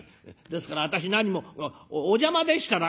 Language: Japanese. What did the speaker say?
「ですから私何もお邪魔でしたら」。